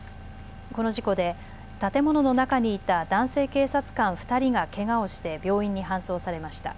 この事故で建物の中にいた男性警察官２人がけがをして病院に搬送されました。